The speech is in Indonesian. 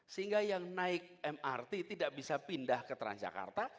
sehingga yang naik mrt tidak bisa pindah ke transjakarta